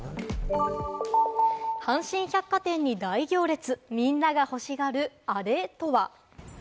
阪神百貨店に大行列、みんなが欲しがる、あれとは？